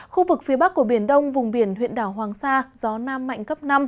khu vực phía bắc của biển đông vùng biển huyện đảo hoàng sa gió nam mạnh cấp năm